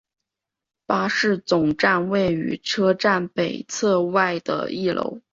巴士总站位于车站北侧外的一楼。